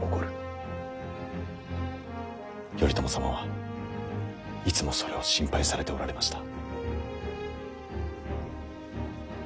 頼朝様はいつもそれを心配されておられました。